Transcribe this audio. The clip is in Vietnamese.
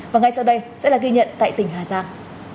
và ngay sau đây sẽ là ghi nhận tại tỉnh hà giang